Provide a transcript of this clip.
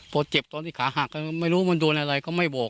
พอเจ็บตอนที่ขาหักไม่รู้มันโดนอะไรก็ไม่บอก